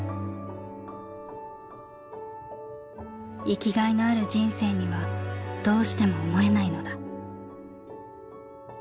「生きがいのある人生にはどうしても思えないのだ」。